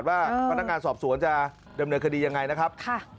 ว่าพนักงานสอบสวนจะดำเนินคดียังไงนะครับ